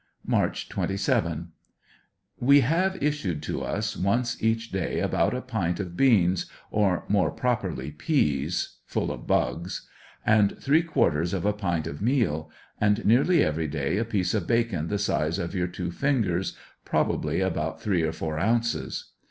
March 27— We have issued to us once each day about a pint of beans, or more properly peas, (full of bugs), and three quarters of a pint of meal, and nearly every day a piece of bacon the size of your two fingers, probably about three or four ounces.